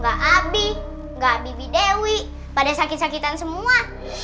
gak abi nggak bibi dewi pada sakit sakitan semua